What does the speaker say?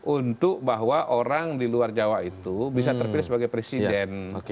untuk bahwa orang di luar jawa itu bisa terpilih sebagai presiden